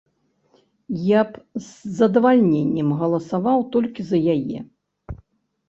Я б з задавальненнем галасаваў толькі за яе.